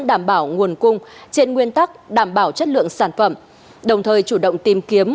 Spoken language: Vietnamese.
đảm bảo nguồn cung trên nguyên tắc đảm bảo chất lượng sản phẩm đồng thời chủ động tìm kiếm